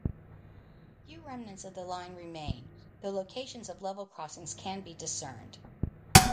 Few remnants of the line remain, though locations of level crossings can be discerned.